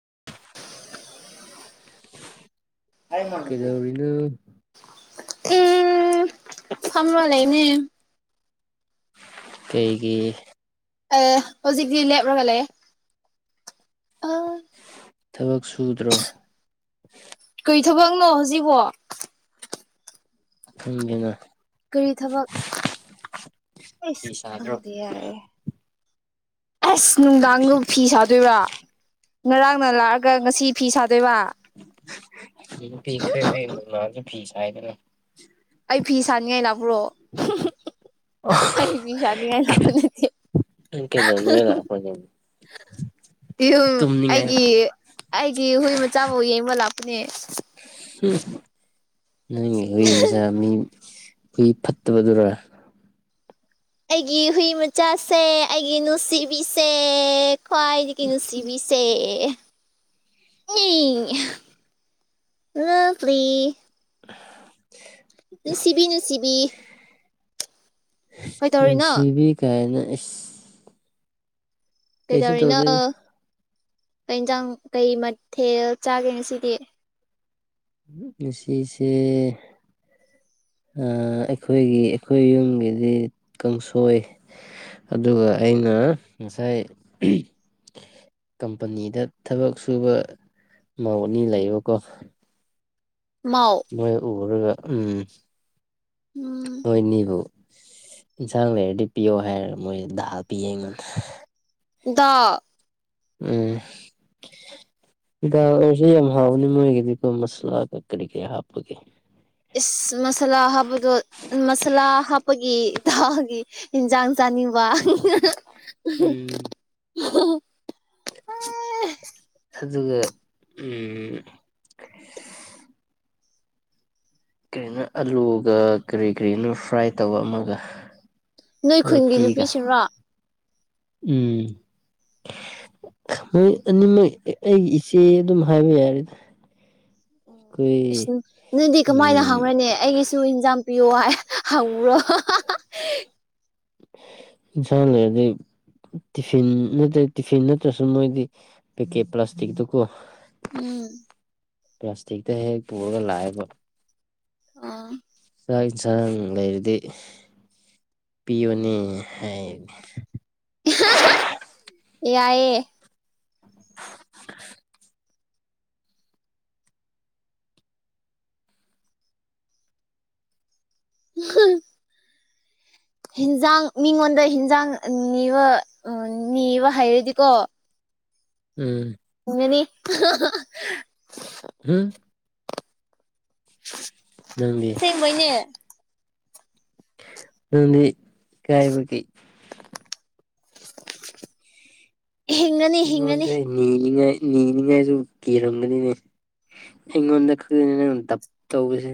[unintelligible] ꯀꯗꯧꯔꯤꯅꯣ ꯎꯝ ꯐꯝꯂ ꯂꯩꯥꯏꯅꯦ ꯀꯩꯒꯤ ꯑ ꯍꯧꯖꯤꯛꯗꯤ ꯂꯦꯞꯂꯒ ꯂꯩꯌꯦ ꯊꯕꯛ ꯁꯨꯗ꯭ꯔꯣ ꯀꯩ ꯊꯕꯛꯅꯣ ꯍꯧꯖꯤꯛꯕꯣ ꯈꯪꯗꯦꯅ ꯑꯁ ꯐꯤ ꯁꯥꯗ꯭ꯔꯣ ꯈꯪꯗꯦ ꯌꯥꯔꯦ ꯑꯁ ꯅꯨꯡꯗꯥꯡꯗꯨ ꯐꯤ ꯁꯥꯗꯣꯏꯕ꯭ꯔꯥ ꯉꯔꯥꯡꯅ ꯂꯥꯛꯑꯒ ꯉꯁꯤ ꯐꯤ ꯁꯥꯗꯣꯏꯕ ꯄꯤꯈ꯭ꯔꯦ ꯐꯤꯁꯥꯏꯗꯨꯅ ꯑꯩ ꯐꯤ ꯁꯥꯅꯤꯡꯉꯥꯏ ꯂꯥꯛꯄ꯭ꯔꯣ ꯑꯩ ꯐꯤ ꯁꯥꯅꯤꯡꯉꯥꯏ ꯂꯥꯛꯄ ꯅꯠꯇꯦ ꯅꯪ ꯀꯩꯗꯧꯅꯤꯡꯉꯥꯏ ꯂꯥꯛꯄ꯭ꯔꯅꯦ ꯇꯨꯝꯅꯤꯡꯉꯥꯏ ꯑꯩꯒꯤ ꯑꯩꯒꯤ ꯍꯨꯏ ꯃꯆꯥꯕꯨ ꯌꯦꯡꯕ ꯂꯥꯛꯄꯅꯦ ꯅꯪꯒꯤ ꯍꯨꯏ ꯃꯆꯥ ꯍꯨꯏ ꯐꯠꯇꯕꯗꯨꯔ ꯑꯩꯒꯤ ꯍꯨꯏ ꯃꯆꯥꯁꯦ ꯑꯩꯒꯤ ꯅꯨꯡꯁꯤꯕꯤꯁꯦ ꯈꯋꯥꯥꯏꯗꯤ ꯅꯨꯡꯁꯤꯕꯤꯁꯦ ꯏ ꯂꯞꯂꯤ [unintelligible] ꯅꯨꯡꯁꯤꯕꯤ ꯅꯨꯡꯁꯤꯕꯤ ꯀꯩꯗꯧꯔꯤꯅꯣ ꯅꯨꯡꯁꯤꯕꯤ ꯀꯥꯏꯅ ꯏꯁ ꯀꯩꯁꯨ ꯀꯩꯗꯧꯔꯤꯅꯣ ꯇꯧꯗꯦꯗ ꯀꯩꯏꯪꯖꯥꯡ ꯀꯩ ꯃꯊꯦꯜ ꯆꯥꯒꯦ ꯉꯁꯤꯗꯤ ꯉꯁꯤꯁꯦ ꯑꯩꯈꯣꯏꯒꯤ ꯑꯩꯈꯣꯏ ꯌꯨꯝꯒꯤꯗꯤ ꯀꯥꯡꯁꯣꯏ ꯑꯗꯨꯒ ꯑꯩꯅ ꯉꯁꯥꯏ ꯀꯝꯄꯅꯤꯗ ꯊꯕꯛ ꯁꯨꯕ ꯃꯧ ꯑꯅꯤ ꯂꯩꯕꯀꯣ ꯃꯥꯎ ꯃꯣꯏ ꯎꯔꯒ ꯎꯝ ꯎꯝ ꯅꯣꯏ ꯅꯤꯕꯨ ꯏꯪꯁꯥꯡ ꯂꯩꯔꯗꯤ ꯄꯤꯌꯣ ꯍꯥꯏꯔ ꯃꯣꯏꯅ ꯗꯥ ꯄꯤ ꯑꯩꯉꯣꯟꯗ ꯗꯥꯛ ꯎꯝ ꯗꯥꯜ ꯑꯣꯏꯔꯁꯨ ꯌꯥꯝ ꯍꯥꯎꯕꯅꯤ ꯃꯣꯏꯒꯤꯗꯤꯀꯣ ꯃꯁꯂꯥ ꯀꯔꯤ ꯀꯔꯤ ꯍꯥꯞꯄꯒꯦ ꯏꯁ ꯃꯁꯥꯂꯥ ꯍꯥꯞꯄꯗꯣ ꯃꯁꯥꯂꯥ ꯍꯥꯞꯄꯒꯤ ꯊꯥꯒꯤ ꯌꯦꯟꯖꯥꯡ ꯆꯥꯡ ꯑꯅꯤ ꯋꯥ ꯎꯝ [unintelligible] ꯑꯗꯨꯒ ꯀꯔꯤꯅꯣ ꯑꯂꯨꯒ ꯀꯔꯤ ꯀꯔꯤꯅꯣ ꯐ꯭ꯔꯥꯏ ꯇꯧꯕ ꯑꯃꯒ ꯅꯣꯏ ꯈꯨꯟꯒꯤ ꯔꯣꯇꯤꯒ ꯅꯨꯄꯤꯁꯤꯡꯔꯣ ꯎꯝ ꯃꯣꯏ ꯑꯅꯤꯃꯛ ꯑꯩꯒꯤ ꯏꯆꯦ ꯑꯗꯨꯝ ꯍꯥꯏꯕ ꯌꯥꯔꯦꯗ ꯑꯣ ꯏꯁ ꯑꯩꯈꯣꯏ ꯅꯪꯗꯤ ꯀꯃꯥꯏꯅ ꯎꯝ ꯍꯧꯔꯦꯅꯦ ꯑꯩꯒꯤꯁꯨ ꯏꯟꯖꯥꯡ ꯄꯤꯌꯣ ꯍꯥꯏ ꯍꯪꯉꯨꯔꯣ ꯏꯪꯁꯥꯡ ꯂꯩꯔꯗꯤ ꯇꯤꯐꯤꯟ ꯅꯠꯇ꯭ꯔ ꯇꯤꯐꯤꯟ ꯅꯠꯇ꯭ꯔꯁꯨ ꯃꯣꯏꯗꯤ ꯄꯦꯀꯦꯠ ꯄ꯭ꯂꯥꯁꯇꯤꯛꯇꯨ ꯀꯣ ꯎꯝ ꯄ꯭ꯂꯥꯁꯇꯤꯛꯇ ꯍꯦꯛ ꯄꯨꯔꯒ ꯂꯥꯛꯑꯦꯕ ꯑ ꯆꯥꯛ ꯌꯦꯟꯁꯥꯡ ꯂꯩꯔꯗꯤ ꯄꯤꯌꯨꯅꯤ ꯍꯥꯏꯅꯤ ꯌꯥꯏꯌꯦ [unintelligible] ꯍꯟꯖꯥꯡ ꯃꯤꯉꯣꯟꯗ ꯍꯟꯖꯥꯡ ꯅꯤꯕ ꯅꯤꯕ ꯍꯩꯔꯗꯤꯀꯣ ꯎꯝ ꯃꯅꯤ ꯍꯝ ꯅꯪꯗꯤ ꯁꯕꯣꯏꯅꯦ ꯑꯗꯨꯗꯤ ꯀꯥꯏꯕꯀꯤ ꯍꯤꯡꯒꯅꯤ ꯍꯤꯡꯒꯅꯤ ꯏꯉꯣꯟꯗ ꯅꯂꯤꯉ ꯅꯅꯤꯂꯤꯉꯥꯏꯁꯨ ꯀꯤꯔꯒꯅꯤꯅꯦ ꯑꯩꯉꯣꯟꯗ ꯈꯅꯤ ꯅꯉ ꯇꯞ ꯇꯧꯕꯁꯦ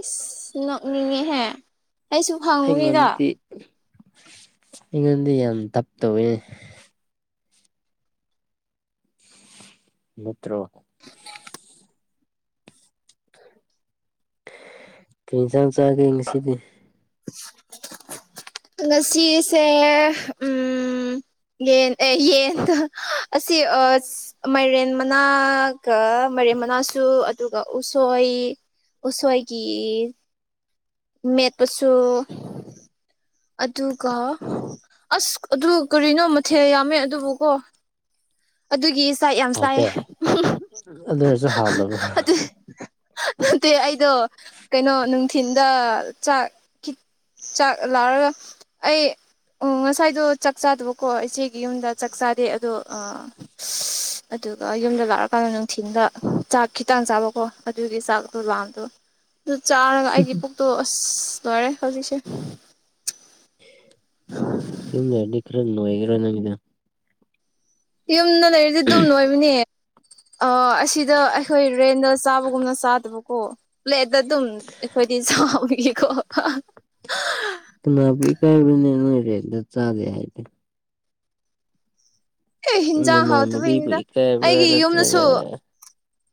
ꯏꯁꯁ ꯅꯣꯛꯅꯤꯡꯉꯦꯍꯦ ꯑꯩꯁꯨ ꯐꯪꯉꯨꯅꯤꯗ ꯏꯉꯗꯤ ꯌꯥꯝ ꯇꯞ ꯇꯋꯦ ꯃꯠꯇ꯭ꯔꯣ [unintelligible] ꯀꯩ ꯏꯟꯁꯥꯡ ꯆꯥꯒꯦ ꯉꯁꯤꯗꯤ ꯉꯁꯤꯁꯦ ꯎꯝ ꯌꯦꯟ ꯑꯦ ꯌꯦꯟ ꯑꯁꯤ ꯃꯥꯏꯔꯦꯟ ꯃꯅꯥꯀ ꯃꯦꯝ ꯃꯅꯥꯁꯨ ꯑꯗꯨꯒ ꯎꯁꯣꯏ ꯎꯁꯣꯏꯒꯤ ꯃ ꯇꯁꯨꯁꯨ ꯑꯗꯨꯒ ꯑꯁ ꯑꯗꯨ ꯀꯔꯤꯅꯣ ꯃꯊꯦꯜ ꯌꯥꯝꯃꯦ ꯑꯗꯨꯕꯨꯀꯣ ꯑꯗꯨꯒꯤ ꯆꯥꯛ ꯌꯥꯝ ꯆꯥꯏꯌꯦ ꯍꯥꯎꯇꯦ ꯑꯗꯨ ꯑꯣꯏꯔꯁꯨ ꯍꯥꯎꯗꯕ꯭ꯔꯥ ꯃꯦ ꯑꯩꯗꯣ ꯀꯩꯅꯣ ꯅꯨꯡꯊꯤꯤꯟꯗ ꯆꯥꯛ ꯆꯥꯛ ꯂꯥꯎꯔꯒ ꯑꯩ ꯑꯣ ꯉꯁꯥꯏꯗꯣ ꯆꯥꯛ ꯆꯥꯗꯕꯀꯣ ꯏꯆꯦꯒꯤ ꯌꯨꯝꯗ ꯆꯥꯛ ꯆꯥꯗꯦ ꯑꯗꯣꯥ [unintelligible] ꯑꯗꯨꯒ ꯌꯨꯝꯗ ꯂꯥꯛꯑꯀꯥꯟꯗ ꯅꯨꯡꯊꯤꯟꯗ ꯆꯥꯛ ꯈꯤꯇꯥꯡ ꯆꯥꯕꯀꯣ ꯑꯗꯨꯒꯤ ꯆꯥꯛ ꯂꯣꯕꯥꯥꯝꯗꯣ ꯑꯗꯨ ꯆꯥꯔꯒ ꯑꯩꯒꯤ ꯄꯨꯛꯇꯣ ꯑꯁ ꯂꯣꯏꯔꯦ ꯍꯧꯖꯤꯛꯁꯦ ꯌꯨꯝ ꯂꯩꯔꯗꯤ ꯈꯔ ꯅꯣꯏꯒꯔꯥ ꯅꯪꯒꯤꯅ ꯌꯨꯝꯗ ꯂꯩꯔꯤꯗꯤ ꯑꯗꯨꯝ ꯂꯣꯏꯕꯅꯦ ꯑ ꯑꯁꯤꯗ ꯑꯩꯈꯣꯏ ꯔꯦꯟꯗ ꯆꯥꯕꯒꯨꯝꯅ ꯆꯥꯗꯕꯀꯣ ꯄ꯭ꯂꯦꯠ ꯗ ꯑꯗꯨꯝ ꯑꯩꯈꯣꯏꯗꯤ ꯆꯥꯎꯒꯀꯣ ꯄꯨꯅꯄꯤ ꯀꯥꯏꯅꯦꯔꯦ ꯆꯂꯦ ꯍꯥꯏꯗꯤ ꯑꯦ ꯍꯤꯟꯖꯥꯡ ꯎꯕꯤꯕꯨ ꯍꯥꯎꯇꯕꯒꯤꯅꯤꯗ ꯏ ꯀꯥꯏꯕ꯭ꯔꯥ ꯑꯩꯒꯤ ꯅꯠꯇ꯭ꯔꯒ ꯌꯨꯝꯗꯁꯨ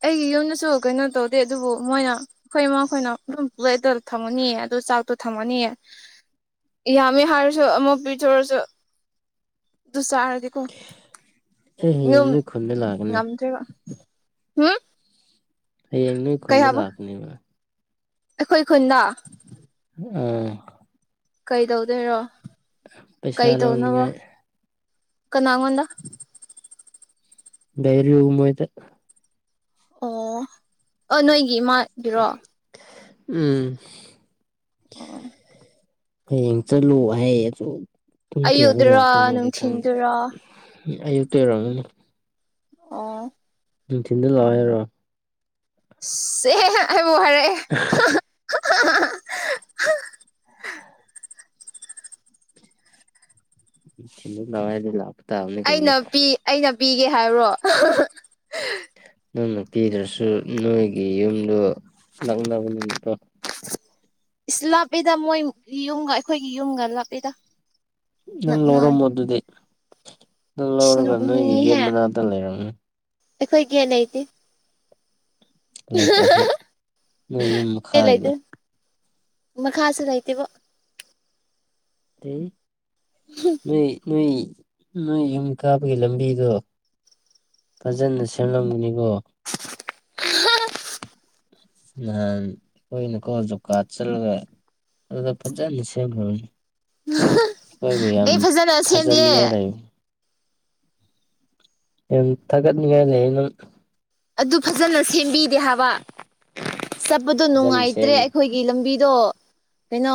ꯑꯩꯒꯤ ꯌꯨꯝꯗꯁꯨ ꯀꯩꯅꯣ ꯇꯧꯗꯦ ꯑꯗꯨꯕꯨ ꯃꯣꯏꯅ ꯑꯩꯈꯣꯏꯃ ꯑꯩꯈꯣꯏꯅ ꯑꯗꯨꯝ ꯄꯨꯂꯇ ꯊꯝꯃꯅꯤꯌꯦꯣ ꯑꯗꯨ ꯆꯥꯛꯇꯣ ꯊꯝꯃꯅꯤꯌꯦ ꯌꯥꯝꯃꯦ ꯍꯥꯏꯔꯁꯨ ꯑꯃꯛ ꯄꯤꯊꯔꯁꯨ ꯗꯨꯁꯥꯔꯗꯤꯀꯣ ꯑꯩ ꯍꯌꯦꯡ ꯌꯨꯝ ꯅꯣꯏ ꯈꯨꯟꯗ ꯂꯥꯛꯀꯅꯤ ꯉꯝꯗ꯭ꯔꯦꯕ ꯍꯥꯝ ꯍꯌꯦꯡ ꯅꯣꯏ ꯈꯨꯨꯟꯗ ꯂꯥꯛꯀꯅꯦꯕ ꯑꯩꯈꯣꯏ ꯈꯨꯟꯗ ꯑ ꯀꯩꯗꯧꯗꯣꯏꯔꯣ ꯄꯩꯁꯥ ꯂꯧꯣꯅꯤꯡꯉꯥꯏ ꯀꯅꯥꯉꯗ ꯂꯩꯔꯤ ꯍꯨ ꯃꯣꯏꯗ ꯑꯣ ꯑꯣ ꯅꯣꯏꯒꯤ ꯏꯃꯥꯒꯤꯔꯣ ꯎꯝ ꯍꯌꯦꯡ ꯆꯠꯂꯨ ꯍꯥꯏꯌꯦ ꯑꯗꯣ ꯄꯨꯡ ꯀꯌꯥꯗ ꯑꯌꯨꯛꯗꯨꯔꯥ ꯂꯥꯛꯇꯣꯏꯅꯣꯗꯤ ꯈꯪꯗꯦ ꯅꯨꯡꯊꯤꯟꯗꯨꯔꯥ ꯑꯌꯨꯛꯇꯔꯣ [unintelligible] ꯑꯣ ꯅꯨꯡꯊꯤꯟꯗ ꯂꯥꯛꯑꯣ꫰ꯍꯥꯏꯔꯣ ꯁ‌ꯦ ꯑꯩꯃꯨꯛ ꯍꯥꯏꯔꯛꯑ‌ꯦ [unintelligible] [unintelligible] ꯂꯋꯥꯥꯏꯗꯩꯩ ꯂꯥꯛꯄ ꯇꯥꯕꯅꯤ ꯀꯩꯅꯣ ꯑꯩꯅ ꯄꯤ ꯑꯩꯅ ꯄꯤꯒꯦ ꯍꯥꯏꯕ꯭ꯔꯣ ꯅꯪꯅ ꯄꯤꯗ꯭ꯔꯁꯨ ꯅꯣꯏꯒꯤ ꯌꯨꯝꯗꯨ ꯅꯛꯅꯕꯅꯤꯅꯀꯣ ꯏꯁ ꯂꯥꯞꯄꯦꯗ ꯃꯣꯏ ꯌꯨꯝꯒ ꯑꯩꯈꯣꯏꯒꯤ ꯌꯨꯝꯒ ꯂꯥꯞꯄꯦꯗ ꯅꯪ ꯅꯛꯅ ꯂꯧꯔꯝꯃꯣ ꯑꯗꯨꯗꯤ ꯅꯪ ꯏꯁ ꯂꯧꯔꯒ ꯅꯣꯏꯒꯤ ꯒꯦꯠ ꯅꯣꯛꯅꯤꯡꯉꯤꯍꯦ ꯃꯅꯥꯛꯇ ꯂꯩꯔꯝꯅꯤ ꯑꯩꯈꯣꯏ ꯒꯦꯠ ꯂꯩꯇꯦ ꯂꯩꯇ꯭ꯔꯁꯨ ꯅꯣꯏ ꯌꯨꯝ ꯒꯦꯠ ꯃꯈꯥꯒꯤꯗ ꯂꯩꯇꯦ ꯃꯈꯥꯁꯨ ꯂꯩꯥꯇꯦꯕꯨ [unintelligible] ꯅꯣꯏ ꯌꯨꯝ ꯀꯥꯕꯒꯤ ꯂꯝꯕꯤꯗꯣ ꯐꯖꯅ ꯁꯦꯝꯂꯝꯒꯅꯤꯀꯣ ꯅꯍꯥꯟ ꯑꯈꯣꯏꯅꯀꯣ [unintelligible] ꯆꯠꯂꯒ ꯑꯗꯨꯒ ꯐꯖꯅ ꯁꯦꯝꯈꯔꯕꯅꯦ [unintelligible] ꯌꯥꯝ ꯑꯦ ꯐꯖꯅ ꯁꯦꯝꯗꯦ ꯊꯥꯖꯅꯤꯡꯉꯥꯏ ꯂꯩ ꯌꯥꯝ ꯊꯥꯒꯠꯅꯤꯡꯉꯥꯏ ꯂꯩꯩ ꯅꯪ ꯑꯗꯨ ꯐꯖꯅ ꯁꯦꯝꯕꯤꯗꯦ ꯍꯥꯏꯕ ꯆꯠꯄꯗꯣ ꯐꯖꯅ ꯅꯨꯡꯉꯥꯏꯇ꯭ꯔꯦ ꯁꯦꯝꯃꯤ ꯑꯩꯈꯣꯏꯒꯤ ꯂꯝꯕꯤ ꯗꯣ ꯀꯩꯅꯣ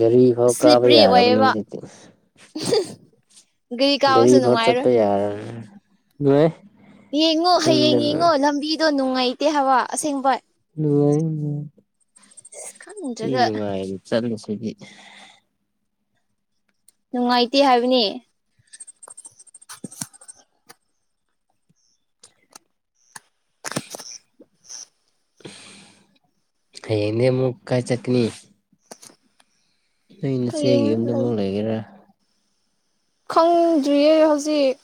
ꯒꯥꯔꯤ ꯐꯥꯎ ꯀꯥꯕ ꯁ꯭ꯂꯤꯞꯄ꯭ꯔꯤ ꯌꯥꯔꯕꯅꯦ ꯑꯣꯏꯌꯦꯕ ꯍꯧꯖꯤꯛꯇꯤ ꯒ꯭ꯔꯤ ꯒꯥꯔꯤ ꯀꯥꯕꯁꯨ ꯐꯥꯎ ꯅꯨꯡꯉꯥꯏꯔꯣꯏ ꯆꯠꯄ ꯌꯥꯔꯕꯅꯤ ꯅꯨꯡꯉꯥꯏ ꯌꯦꯡꯉꯣ ꯍꯌꯦꯡ ꯈꯪꯗꯅ ꯌꯦꯡꯉꯣ ꯂꯝꯕꯤꯗꯣ ꯅꯨꯡꯉꯥꯏꯇꯦ ꯍꯥꯏꯕ ꯑꯁꯦꯡꯕ ꯅꯨꯡꯉꯥꯏ ꯅꯨꯡꯉꯥꯏ ꯑꯁ ꯃꯤ ꯈꯪꯗ꯭ꯔꯒ ꯅꯨꯡꯉꯥꯏꯅ ꯆꯠꯂꯤ [unintelligible] ꯅꯨꯡꯉꯥꯏꯇꯦ ꯍꯥꯏꯕꯅꯤ ꯍꯌꯦꯡꯗꯤꯃꯨꯛ ꯀꯥꯏ ꯆꯠꯅꯤ ꯅꯣꯏ ꯅꯆꯦꯒꯤ ꯍꯌꯦꯡ ꯂꯩ ꯌꯨꯝꯗꯃꯨꯛ ꯂꯩꯒꯦꯔꯥ ꯈꯪꯗ꯭ꯔꯤꯌꯦ ꯍꯧꯖꯤꯛ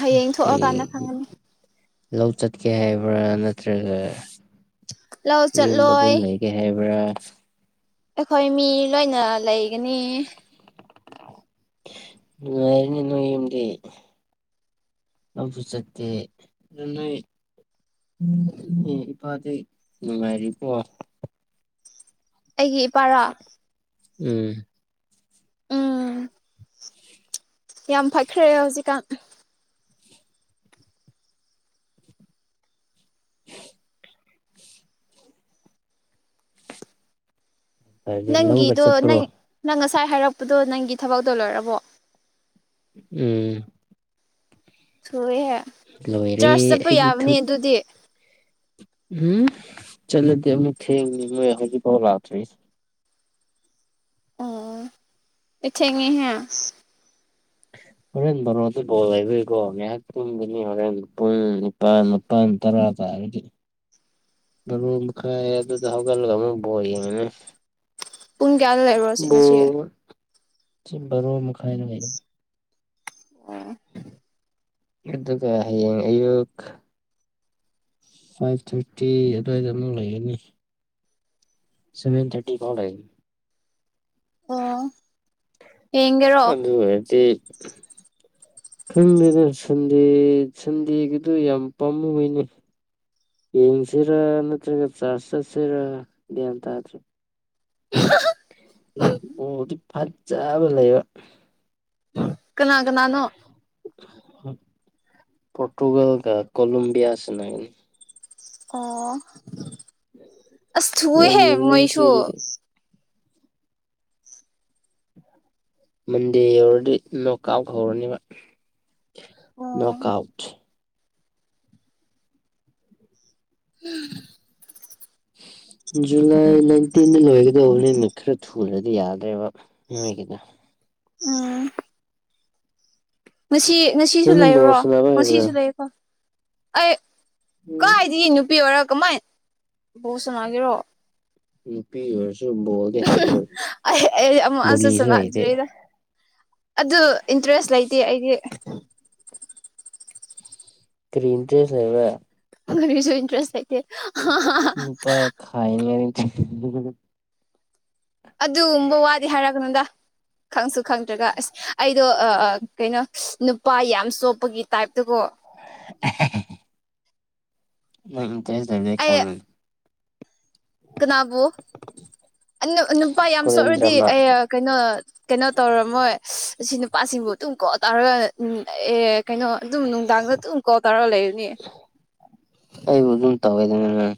ꯍꯌꯦꯡ ꯀꯔꯤ ꯊꯣꯛꯑꯀꯥꯟꯗ ꯈꯪꯉꯅꯤ ꯂꯧ ꯆꯠꯀꯦ ꯍꯥꯏꯕ꯭ꯔꯥ ꯅꯠꯇ꯭ꯔꯒ ꯂꯧ ꯌꯨꯝꯗ ꯑꯗꯨꯝ ꯆꯠꯂꯣꯏ ꯂꯩꯒꯦ ꯍꯥꯏꯕ꯭ꯔꯥ ꯑꯩꯈꯣꯏ ꯃꯤ ꯂꯣꯏꯅ ꯂꯩꯒꯅꯤ ꯅꯨꯡꯉꯥꯏꯔꯦꯅꯦ ꯅꯣꯏ ꯌꯨꯝꯗꯤ ꯊꯕꯛꯁꯨ ꯆꯠꯇꯦ ꯑꯗꯨ ꯅꯣꯏ ꯏꯄꯥꯗꯤ ꯅꯨꯡꯉꯥꯏꯔꯤ ꯀꯣ ꯑꯩꯒꯤ ꯏꯄꯥꯔꯥ ꯎꯝ ꯎꯝ ꯌꯥꯝ ꯐꯈ꯭ꯔꯦ ꯍꯧꯖꯤꯛꯀꯥꯟ [unintelligible] ꯑꯗꯨꯗꯤ ꯂꯧꯒ ꯅꯪꯒꯤꯗꯣ ꯆꯠꯄ꯭ꯔꯣ ꯅꯪ ꯅꯪ ꯉꯁꯥꯏ ꯍꯥꯏꯔꯛꯄꯗꯣ ꯅꯪꯒꯤ ꯊꯕꯛꯇꯣ ꯂꯣꯏꯔꯕꯣ ꯎꯝ ꯊꯨꯏꯍꯦ ꯂꯣꯏꯔꯦ ꯆꯔꯆ ꯆꯠꯄ ꯑꯩꯗꯤ ꯌꯥꯕꯅꯤ ꯊꯕꯛ ꯑꯗꯨꯗꯤ ꯎꯝ ꯆꯂꯗꯤ ꯑꯃꯨꯛ ꯊꯦꯡꯅꯤ ꯃꯣꯢ ꯍꯧꯖꯤꯛ ꯐꯥꯎ ꯂꯥꯛꯇꯔꯤ ꯑꯣ ꯑꯦ ꯊꯦꯡꯉꯦꯍꯦ [unintelligible] ꯍꯣꯔꯦꯟ ꯕꯔꯣꯗ ꯕꯣꯜ ꯍꯥꯏꯕꯏꯀꯣ ꯉꯥꯏꯍꯥꯛꯀꯤꯤꯟꯗꯨꯅꯤ ꯍꯣꯔꯦꯟ ꯄꯨꯡ ꯅꯤꯄꯥꯜ ꯃꯥꯄꯜ ꯇꯔꯥ ꯗꯤ ꯃꯔ ꯃꯈ ꯈꯥꯏ ꯑꯗꯨ ꯍꯧꯒꯒ ꯑꯃꯕꯣ ꯃꯅꯦ ꯄꯨꯡ ꯀꯌꯥꯗ ꯂꯩꯔꯨꯔꯣ ꯁꯤ ꯉꯁꯤ ꯔꯣ ꯃꯈꯥꯏꯅ ꯂꯩ ꯑ ꯑꯗꯨꯒ ꯍꯌꯦꯡ ꯑꯌꯨꯛ ꯐꯥꯏꯚ ꯊꯥꯔꯇꯤ ꯑꯗꯨꯋꯥꯏꯗ ꯑꯃꯨ ꯂꯩꯒꯅꯤ ꯁꯚꯦꯟ ꯊꯔꯇꯤ ꯀꯣ ꯑꯣ ꯌꯦꯡꯒꯦꯔꯣ ꯑꯗꯨ ꯍꯥꯏꯗꯤ ꯈꯪꯗꯦꯅ ꯁꯟꯗꯦ ꯁꯟꯗꯦꯒꯤꯗꯨ ꯌꯥꯝ ꯄꯥꯝꯃꯨꯩꯅꯦ ꯌꯦꯡꯁꯤꯔ ꯅꯠꯇ꯭ꯔꯒ ꯆꯔꯁꯁꯤꯔ ꯏꯇ ꯍꯥꯏ꯭ꯔꯦ ꯃꯗꯤ ꯐ ꯆꯥꯕ ꯂꯩꯕ ꯀꯅꯥ ꯀꯅꯥꯅꯣ ꯄꯣꯔꯇꯨꯒꯜꯒ ꯀꯣꯂꯣꯕꯤꯌꯥꯁꯤꯅꯒꯅꯤ ꯑꯣ ꯑ ꯊꯨꯏ ꯌꯥꯝ ꯍꯦ ꯌꯦꯡꯅꯤꯡꯈ꯭ꯔꯦ ꯃꯣꯏꯁꯨ ꯑꯗꯨꯗꯤ ꯃꯟꯗꯦ ꯌꯧꯔꯗꯤ ꯅꯣꯛ ꯑꯥꯎꯠ ꯍꯧꯔꯅꯤꯕ ꯑꯣ ꯅꯣꯛꯣꯛ ꯑꯥꯎꯠ ꯎꯝ ꯎꯝ ꯖꯨꯂꯥꯏ ꯅꯥꯏꯟꯇꯤꯟꯗ ꯂꯣꯏꯒꯗꯧꯕ ꯅ ꯅꯨꯃꯤꯠ ꯈꯔ ꯊꯨꯨꯔꯗꯤ ꯌꯥꯗ꯭ꯔꯦꯕ ꯅꯣꯏꯒꯤꯗ ꯎꯝ ꯉꯁꯤ ꯉꯁꯤꯁꯨ ꯅꯪꯗꯤ ꯕꯣꯜ ꯂꯩꯔꯣ ꯁꯥꯟꯅꯕ ꯍꯩꯕ꯭ꯔꯥ ꯉꯁꯤꯁꯨ ꯂꯩꯀꯣ ꯑꯩ ꯀꯥꯏꯗꯤ ꯅꯨꯄꯤ ꯑꯣꯏꯔ ꯀꯃꯥꯏ ꯕꯣ ꯁꯅꯥꯒꯤꯔꯣ ꯅꯨꯄꯤ ꯑꯣꯏꯔꯁꯨ ꯕꯣꯜꯗꯤ ꯍꯩꯒꯗꯕ ꯑꯩ ꯑꯩ ꯑꯃꯨꯛ ꯑꯁꯨ ꯕꯕꯨꯣꯂꯤꯁꯨ ꯍꯩꯇꯦ ꯁꯥꯟꯅꯗ꯭ꯔꯤꯗ ꯑꯗꯨ ꯏꯟꯇꯔꯦꯁ ꯂꯩꯇꯦ ꯑꯩꯗꯤ ꯀ꯭ꯔꯤꯟꯦꯁꯅꯦꯕ ꯁꯨ ꯏꯟꯇꯔꯦꯁ ꯍꯥꯏ ꯅꯨꯄꯥ ꯈꯥꯏꯅꯤ ꯑꯅꯤ ꯑꯗꯨꯒꯨꯝꯕ ꯋꯥꯗꯤ ꯍꯥꯏꯔꯛꯒꯅꯗ ꯈꯪꯁꯨ ꯈꯪꯗ꯭ꯔꯒ ꯑꯁ ꯑꯩꯗꯣ ꯀꯩꯅꯣ ꯅꯨꯄꯥ ꯌꯥꯝ ꯆꯣꯞꯄꯒꯤ ꯇꯥꯏꯞꯇꯀꯣ [inaudible] ꯎꯝ ꯇꯗ ꯑꯩ ꯈꯔ ꯀꯅꯥꯕꯨ ꯅꯨꯄꯥ ꯌꯥꯝ ꯀꯣꯔꯤꯌꯟ ꯁꯣꯛꯎꯔꯗꯤ ꯗ꯭ꯔꯃꯥ ꯑꯦ ꯀꯩꯅꯣ ꯀꯩꯅꯣ ꯇꯧꯔꯝꯃꯣꯏ ꯑꯁꯤ ꯅꯨꯄꯥꯁꯤꯡꯕꯨ ꯇꯨꯡ ꯀꯣ ꯇꯥꯔꯒ ꯑꯦ ꯀꯩꯅꯣ ꯑꯗꯨꯝ ꯅꯨꯡꯗꯥꯡꯗ ꯑꯗꯨꯝ ꯀꯣꯜ ꯇꯧꯔꯒ ꯂꯩꯔꯅꯤ ꯇꯋ ꯑꯗꯨ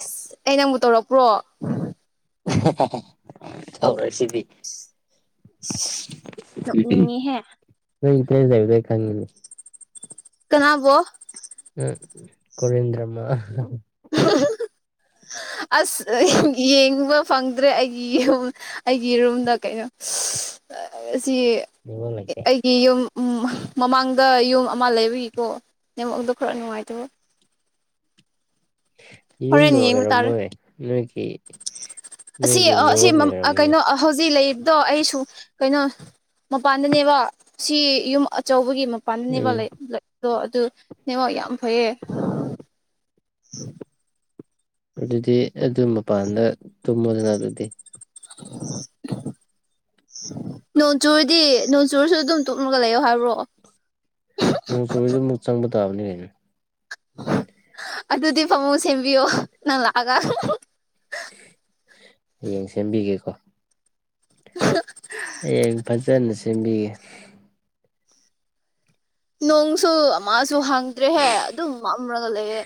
ꯑꯁ ꯑꯩ ꯅꯪꯕꯨꯛ ꯇꯧꯔꯛꯄ꯭ꯔꯣ ꯊꯔ ꯁꯤ ꯅꯣꯛꯅꯤꯡꯉꯤꯍꯦ [unintelligible] ꯅ ꯏꯗ ꯈꯪꯉ ꯀꯅꯥꯕꯣ ꯎꯝ ꯀꯔꯗ꯭ꯔꯃ [unintelligible] [unintelligible] ꯑꯁ ꯌꯦꯡꯕ ꯐꯪꯗ꯭ꯔꯦ ꯑꯩꯒꯤ ꯌꯨꯝ ꯑꯩꯒꯤ ꯔꯨꯝꯗ ꯀꯩꯅꯣ [unintelligible] ꯑꯁꯤ ꯅꯦꯠꯋꯥꯛ ꯂꯩꯇꯦ ꯑꯩꯒꯤ ꯌꯨꯝ ꯎ ꯃꯃꯥꯡꯗ ꯌꯨꯝ ꯑꯃ ꯂꯩꯕꯒꯤꯀꯣ ꯅꯦꯝꯃꯛꯗꯣ ꯈꯔ ꯅꯨꯡꯉꯥꯏꯇꯕ ꯍꯣꯔꯦꯟ ꯌꯨꯝꯗ ꯌꯦꯡꯕ ꯇꯥꯔꯦ ꯑꯣꯏꯔꯝꯃꯣꯏ ꯅꯣꯏꯒꯤ ꯑꯁꯤ ꯅꯣꯏꯒꯤ ꯑꯁꯤ ꯅꯦꯠꯋꯥꯛꯅ ꯑꯣꯏꯔꯝꯒꯅꯤ ꯀꯩꯅꯣ ꯍꯧꯖꯤꯛ ꯂꯩꯔꯤꯕꯗꯣ ꯑꯩꯁꯨ ꯀꯩꯅꯣ ꯃꯄꯥꯟꯗꯅꯦꯕ ꯁꯤ ꯌꯨꯝ ꯑꯆꯧꯕꯒꯤ ꯃꯄꯥꯟꯗꯅꯦꯕ ꯎꯝ ꯂꯩ ꯑꯗꯣ ꯑꯗꯨ ꯅꯉ ꯌꯥꯝ ꯐꯩꯌꯦ ꯑꯗꯨꯗꯤ ꯑꯗꯨ ꯃꯄꯥꯟꯗ ꯇꯨꯝꯃꯣꯗꯅ ꯑꯗꯨꯗꯤ [unintelligible] ꯅꯣꯡꯆꯨꯔꯗꯤ ꯅꯣꯡꯆꯨꯔꯁꯨ ꯑꯗꯨꯝ ꯇꯨꯞꯂꯒ ꯂꯩꯌꯣ ꯍꯥꯏꯕ꯭ꯔꯣꯑꯣ ꯅꯣꯡ ꯆꯨꯗ ꯑꯃꯨꯛ ꯆꯪꯕ ꯇꯥꯕꯅꯤ ꯍꯥꯏꯩꯅ ꯑꯗꯨꯗꯤ ꯐꯃꯨꯡ ꯁꯦꯝꯕꯤꯌꯣ ꯅꯪ ꯂꯥꯛꯑꯒ ꯍꯌꯦꯡ ꯁꯦꯝꯕꯤꯒꯦꯀꯣ [unintelligible] [inaudible] ꯍꯌꯦꯡ ꯐꯖꯅ ꯁꯦꯝꯕꯤꯌꯦ ꯅꯣꯡꯁꯨ ꯑꯃꯁꯁꯨ ꯍꯥꯡꯗ꯭ꯔꯦꯍꯦ ꯑꯗꯨꯝ ꯃꯝꯂꯒ ꯂꯩꯑꯦ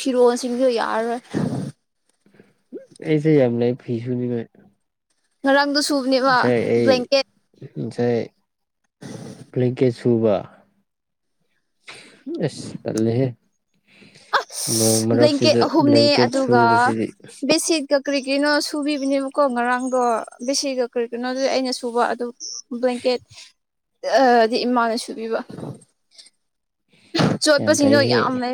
ꯐꯤꯔꯣꯟꯁꯤꯡꯗꯨ ꯌꯥꯔꯔꯣꯏ ꯑꯩꯁꯨ ꯌꯥꯝ ꯂꯩ ꯐꯤ ꯁꯨꯅꯤꯡꯉꯥꯏ ꯉꯔꯥꯡꯗꯣ ꯁꯨꯕꯅꯦꯕ ꯕ꯭ꯂꯦꯡꯀꯦꯠ ꯑꯩꯁꯦ ꯕꯂꯦꯡꯀꯦꯠ ꯁꯨꯕ ꯑꯁ ꯇꯜꯂꯦꯍꯦ ꯅꯣꯡ ꯕ꯭ꯂꯦꯡꯀꯦꯠ ꯃꯔꯛꯁꯤꯗ ꯑꯍꯨꯝꯅꯦ ꯕ꯭ꯂꯦꯡꯀꯦꯠ ꯁꯨꯕꯁꯤꯗꯤ ꯀ꯭ꯔꯤ ꯀꯔꯤꯅꯣ ꯁꯨꯕꯤꯕꯅꯦꯕꯀꯣ ꯉꯔꯥꯡꯗꯣ ꯕꯤꯁꯤꯒ ꯀ꯭ꯔꯤ ꯀꯅꯣꯗꯨꯗꯤ ꯑꯩꯅ ꯁꯨꯕ ꯑꯗꯨ ꯕ꯭ꯂꯦꯡꯀꯦꯠꯗꯤ ꯏꯃꯥꯅ ꯁꯨꯕꯤꯕ ꯌꯥꯝ ꯆꯣꯠꯄꯁꯤꯡꯗꯣ ꯐꯩꯍꯦ ꯌꯥꯝꯃꯦ